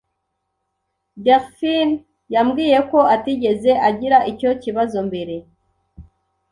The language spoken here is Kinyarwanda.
Delphin yambwiye ko atigeze agira icyo kibazo mbere.